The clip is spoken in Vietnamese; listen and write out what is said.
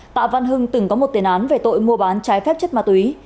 tạ văn hưng từng có một tiền án về tội mua bán trái phép chất ma túy